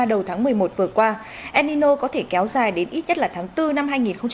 đầu tháng một mươi một vừa qua enino có thể kéo dài đến ít nhất là tháng bốn năm hai nghìn hai mươi